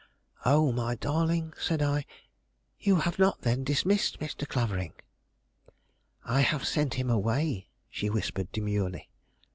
"Oh, my darling," said I, "you have not, then dismissed Mr. Clavering?" "I have sent him away," she whispered demurely.